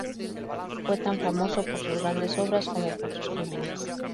Fue tan famoso por sus grandes obras como por sus crímenes.